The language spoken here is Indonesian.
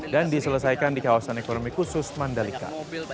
dan diselesaikan di kawasan ekonomi khusus mandalika